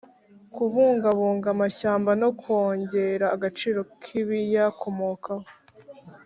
Kubugabuga amashyamba no kongerera agaciro k’ ibiyakomokaho